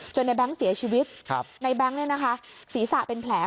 ในแบงค์เสียชีวิตในแบงค์เนี่ยนะคะศีรษะเป็นแผล